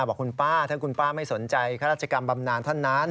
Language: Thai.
บอกคุณป้าถ้าคุณป้าไม่สนใจข้าราชกรรมบำนานท่านนั้น